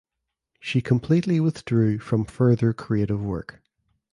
She completely withdrew from further creative work.